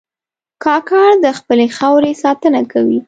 کاکړ د خپلې خاورې ساتنه کوي.